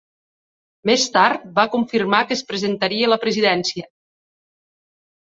Més tard va confirmar que es presentaria a la presidència.